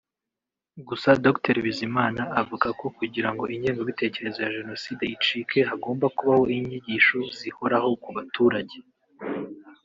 Gusa Dr Bizimana avuga ko kugira ngo ingengabitekerezo ya Jenoside icike hagomba kubaho inyigisho zihoraho ku baturage